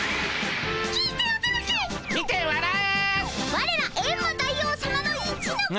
われらエンマ大王さまの一の子分。